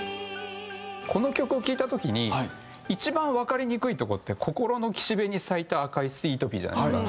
この曲を聴いた時に一番わかりにくいとこって「心の岸辺に咲いた赤いスイートピー」じゃないですか。